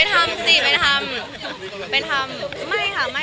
อย่างนี้ต้องเติมเรื่อยไหมครับป่าน